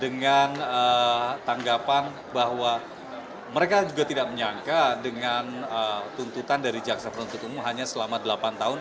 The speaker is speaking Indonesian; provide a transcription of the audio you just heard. dengan tanggapan bahwa mereka juga tidak menyangka dengan tuntutan dari jaksa penuntut umum hanya selama delapan tahun